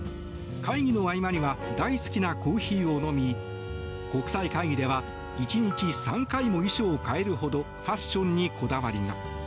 会議の合間には大好きなコーヒーを飲み国際会議では１日３回も衣装を変えるほどファッションにこだわりが。